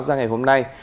ra ngày hôm nay